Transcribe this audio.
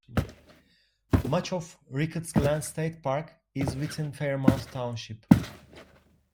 Much of Ricketts Glen State Park is within Fairmount Township.